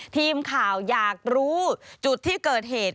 ทีมข่าวอยากรู้จุดที่เกิดเหตุ